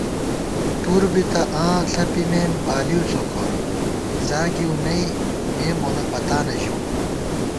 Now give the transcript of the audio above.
پُر بی تہ آں ݪپِمېم بالِؤ څوکور، زاگِیؤ نئ مے مونہ پتانہ ژِیؤ